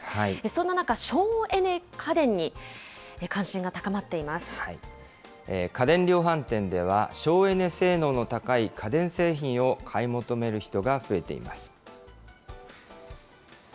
そんな中、省エネ家電に関心が高家電量販店では、省エネ性能の高い家電製品を買い求める人が増えています。